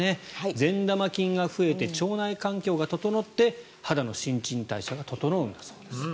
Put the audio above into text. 善玉菌が増えて腸内環境が整って肌の新陳代謝が整うんだそうです。